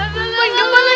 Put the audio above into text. bukan depan lagi